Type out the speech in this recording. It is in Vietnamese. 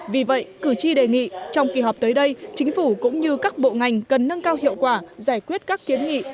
vì vậy cử tri đề nghị trong kỳ họp tới đây chính phủ cũng như các bộ ngành cần nâng cao hiệu quả giải quyết các kiến nghị